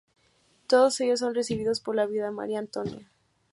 Todos ellos son recibidos por la viuda María Antonia.